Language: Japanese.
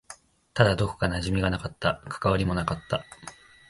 ただ、どこか馴染みがなかった。関わりもなかった。